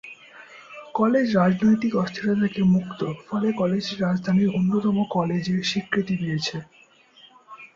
College রাজনৈতিক অস্থিরতা থেকে মুক্ত ফলে কলেজটি রাজধানীর অন্যতম কলেজের স্বীকৃতি পেয়েছে।